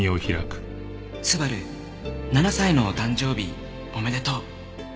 「昴７歳のお誕生日おめでとう」